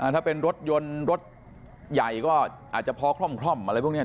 ถ้าเป็นรถยนต์รถใหญ่ก็อาจจะพอคล่อมอะไรพวกนี้